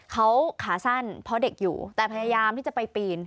เขาขาสั้นเพราะเด็กอยู่แต่พยายามที่จะไปปีน